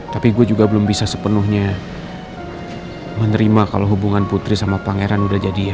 tapi gue juga belum bisa sepenuhnya menerima kalau hubungan putri sama pangeran udah jadi ya